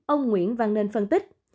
ông nguyễn văn nênh phân tích